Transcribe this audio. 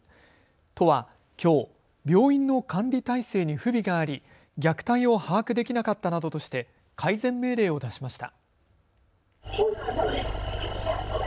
都はきょう病院の管理体制に不備があり虐待を把握できなかったなどとして改善命令を出しました。